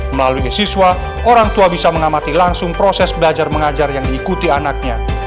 melalui siswa orang tua bisa mengamati langsung proses belajar mengajar yang diikuti anaknya